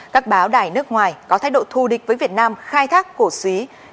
các báo đài nước ngoài có thái độ thù địch với việt nam khai thác cổ suý